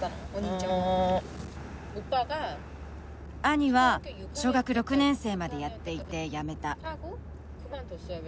兄は小学６年生までやっていてやめた。